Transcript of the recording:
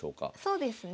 そうですね。